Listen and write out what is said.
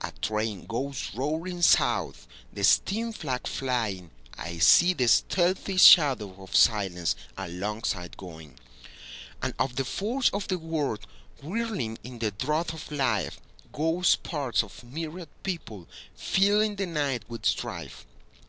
A train goes roaring south, The steam flag flying;I see the stealthy shadow of silenceAlongside going. And off the forge of the world, Whirling in the draught of life, Go sparks of myriad people, fillingThe night with strife.